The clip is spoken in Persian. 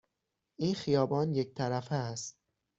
این خیابان یک طرفه است.